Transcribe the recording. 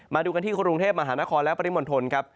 มาดูกันที่กรุงเทพมหานครและปริมณฑลครับ